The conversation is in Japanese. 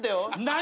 何？